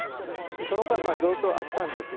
その間、色々とあったんですが